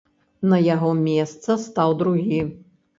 На яго месца стаў другі.